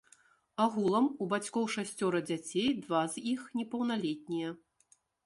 Агулам у бацькоў шасцёра дзяцей, два з іх непаўналетнія.